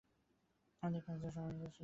আমাদের কার্য ও চিন্তার মধ্যে সামঞ্জস্য নাই।